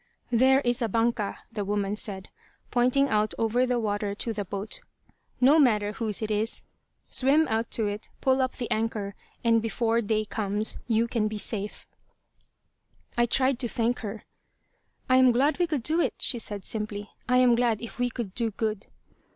"There is a 'banca,'" the woman said, pointing out over the water to the boat. "No matter whose it is. Swim out to it, pull up the anchor, and before day comes you can be safe." I tried to thank her. "I am glad we could do it," she said, simply. "I am glad if we could do good."